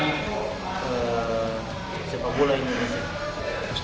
jadi kita ballah indonesia